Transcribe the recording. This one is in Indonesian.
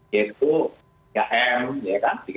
yaitu tiga m ya kan